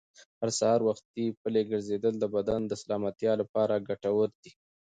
هر سهار وختي پلي ګرځېدل د بدن د سلامتیا لپاره ډېر ګټور دي.